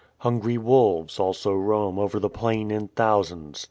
Hungry wolves also roam over the plain in thousands.